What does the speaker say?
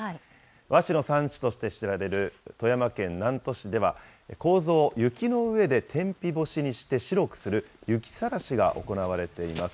和紙の産地として知られる富山県南砺市では、こうぞを雪の上で天日干しにして白くする、雪さらしが行われています。